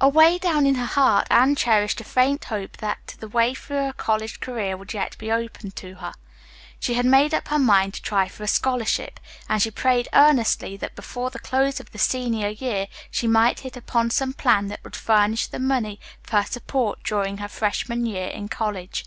Away down in her heart Anne cherished a faint hope that the way for a college career would yet be opened to her. She had made up her mind to try for a scholarship, and she prayed earnestly that before the close of her senior year she might hit upon some plan that would furnish the money for her support during her freshman year in college.